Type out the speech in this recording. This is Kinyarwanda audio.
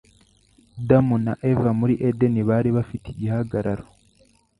damu na Eva muri Edeni bari bafite igihagararo